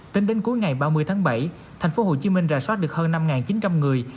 tính đến cuối ngày ba mươi tháng bảy thành phố hồ chí minh ra soát được hơn năm chín trăm linh người